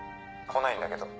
来ないんだけど。